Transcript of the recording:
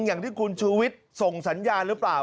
อย่างที่คุณชูวิทย์ส่งสัญญาณหรือเปล่า